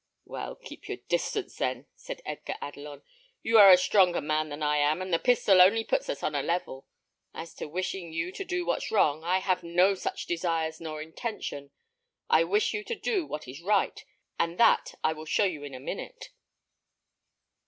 "Well, keep your distance, then," said Edgar Adelon. "You are a stronger man than I am, and the pistol only puts us on a level. As to wishing you to do what's wrong, I have no such desires nor intention. I wish you to do what is right, and that I will show you in a minute."